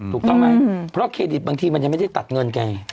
ถูกต้องไหมเพราะเครดิตบางทีมันยังไม่ได้ตัดเงินแก